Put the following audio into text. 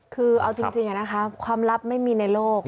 คือเอาจริงนะคะความลับไม่มีในโลก